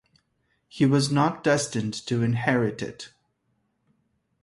He was not destined to inherit it.